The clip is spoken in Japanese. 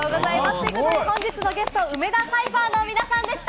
本日のゲスト、梅田サイファーの皆さんでした！